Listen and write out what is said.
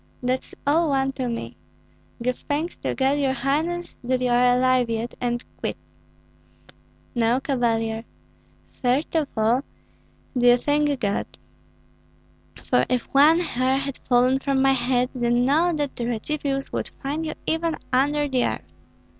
"That's all one to me. Give thanks to God, your highness, that you are alive yet, and quits." "No, Cavalier. First of all, do you thank God; for if one hair had fallen from my head, then know that the Radzivills would find you even under the earth.